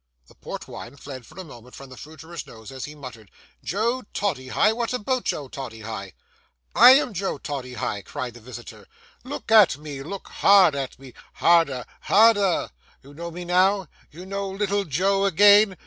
The port wine fled for a moment from the fruiterer's nose as he muttered, 'Joe Toddyhigh! What about Joe Toddyhigh?' 'I am Joe Toddyhigh,' cried the visitor. 'Look at me, look hard at me,—harder, harder. You know me now? You know little Joe again?